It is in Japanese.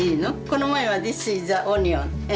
この前は「ディスイズアオニオン」。